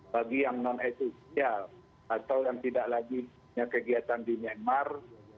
bagi yang non esensial atau yang tidak lagi punya kegiatan di myanmar